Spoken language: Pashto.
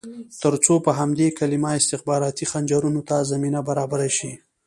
ترڅو په همدې کلمه استخباراتي خنجرونو ته زمینه برابره شي.